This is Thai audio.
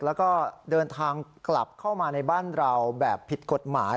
แล้วก็เดินทางกลับเข้ามาในบ้านเราแบบผิดกฎหมาย